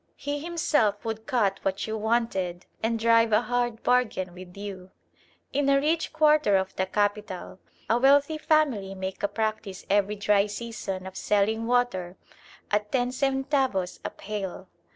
He himself would cut what you wanted and drive a hard bargain with you. In a rich quarter of the capital a wealthy family make a practice every dry season of selling water at ten centavos a pail!